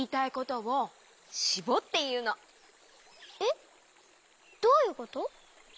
えっどういうこと？